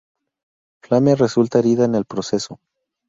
Flame resulta herida en el proceso.